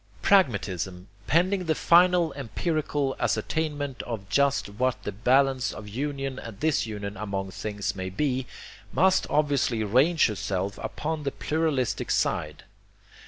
Pragmatism, pending the final empirical ascertainment of just what the balance of union and disunion among things may be, must obviously range herself upon the pluralistic side.